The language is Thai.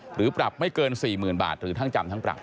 หรือปรับไม่เกิน๔๐๐๐บาทหรือทั้งจำทั้งปรับ